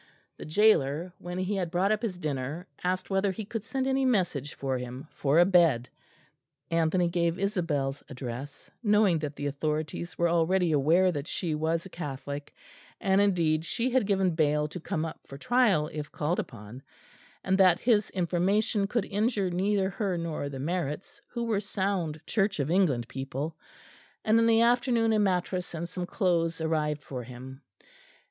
The gaoler, when he had brought up his dinner, asked whether he could send any message for him for a bed. Anthony gave Isabel's address, knowing that the authorities were already aware that she was a Catholic, and indeed she had given bail to come up for trial if called upon, and that his information could injure neither her nor the Marretts, who were sound Church of England people; and in the afternoon a mattress and some clothes arrived for him.